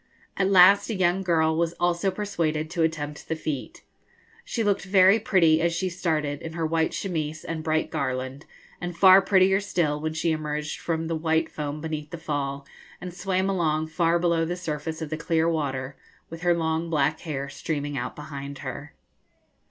At last a young girl was also persuaded to attempt the feat. She looked very pretty as she started, in her white chemise and bright garland, and prettier still when she emerged from the white foam beneath the fall, and swam along far below the surface of the clear water, with her long black hair streaming out behind her.